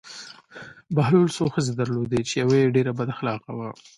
بهلول څو ښځې درلودې چې یوه یې ډېره بد اخلاقه وه.